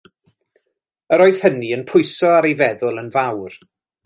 Yr oedd hynny yn pwyso ar ei feddwl yn fawr.